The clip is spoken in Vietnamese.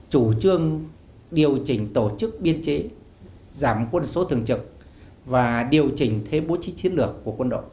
chủ trương điều chỉnh tổ chức biên chế giảm quân số thường trực và điều chỉnh thế bố trí chiến lược của quân đội